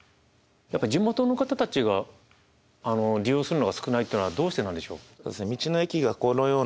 やっぱ地元の方たちが利用するのが少ないっていうのはどうしてなんでしょう。